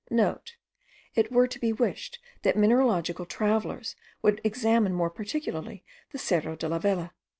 (* It were to be wished that mineralogical travellers would examine more particularly the Cerro de la Vela.